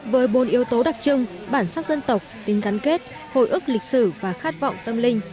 với bốn yếu tố đặc trưng bản sắc dân tộc tính gắn kết hồi ức lịch sử và khát vọng tâm linh